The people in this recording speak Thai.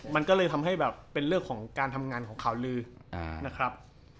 มันก็เลยทำให้แบบเป็นเรื่องของการทำงานของข่าวลือนะครับ